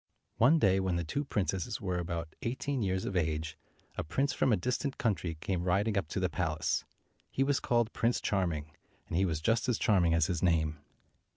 One day, when the two princesses were about 213 eighteen years of age, a prince from a distant country came riding up to the palace. He was called Prince Charming, and he was just as charming as his name.